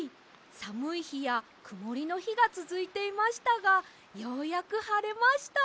さむいひやくもりのひがつづいていましたがようやくはれました！